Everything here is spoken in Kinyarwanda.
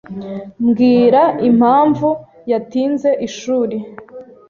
Mbwira impamvu yatinze ishuri.